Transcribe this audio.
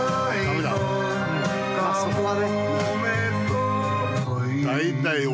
まあそこはね。